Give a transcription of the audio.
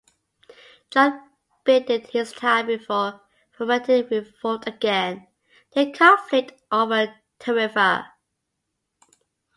John bided his time before fomenting revolt again: the conflict over Tarifa.